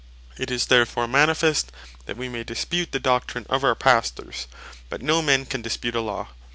It is therefore manifest, that wee may dispute the Doctrine of our Pastors; but no man can dispute a Law.